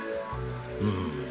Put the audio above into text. うん。